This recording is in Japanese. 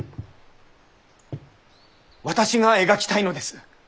私が描きたいのです。